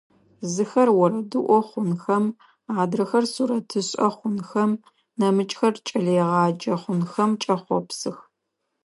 Зыхэр орэдыӀо хъунхэм, адрэхэр сурэтышӀэ хъунхэм, нэмыкӀхэр кӀэлэегъаджэ хъунхэм кӀэхъопсых.